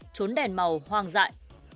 trốn đèn màu hoang dại